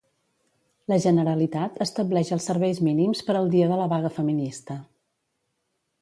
La Generalitat estableix els serveis mínims per al dia de la vaga feminista.